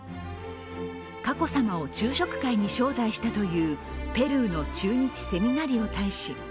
佳子さまを昼食会に招待したというペルーの駐日セミナリオ大使。